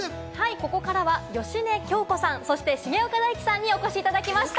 ここからは芳根京子さん、そして重岡大毅さんにお越しいただきました。